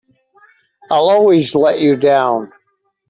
I'll always let you down!